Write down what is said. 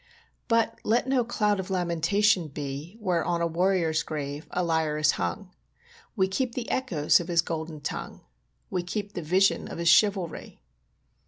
But let no cloud of lamentation be Where, on a warrior's grave, a lyre is hung. We keep the echoes of his golden tongue, We keep the vision of his chivalry.